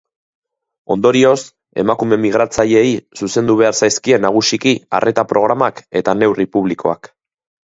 Ondorioz, emakume migratzaileei zuzendu behar zaizkie nagusiki arreta programak eta neurri publikoak.